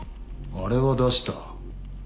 あれは出した。